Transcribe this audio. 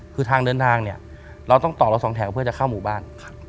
คือทางเดินทางเนี่ยเราต้องต่อเราสองแถวเพื่อจะเข้าหมู่บ้าน